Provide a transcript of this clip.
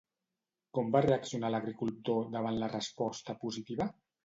Com va reaccionar l'agricultor davant la resposta positiva?